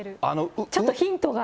ちょっとヒントが。